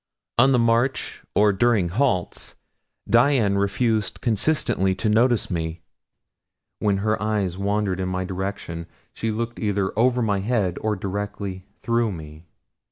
On the march, or during halts, Dian refused consistently to notice me when her eyes wandered in my direction she looked either over my head or directly through me.